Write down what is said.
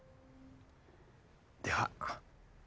では。